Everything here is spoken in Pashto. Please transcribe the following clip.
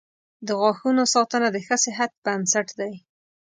• د غاښونو ساتنه د ښه صحت بنسټ دی.